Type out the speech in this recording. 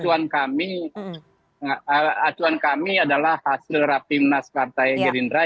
karena itu acuan kami adalah hasil rapim naskarta greendraft